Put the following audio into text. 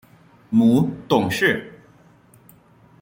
母董氏。